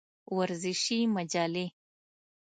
ورزشي جملې